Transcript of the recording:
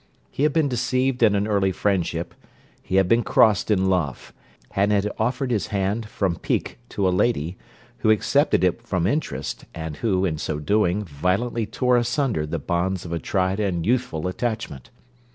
He had been deceived in an early friendship: he had been crossed in love; and had offered his hand, from pique, to a lady, who accepted it from interest, and who, in so doing, violently tore asunder the bonds of a tried and youthful attachment.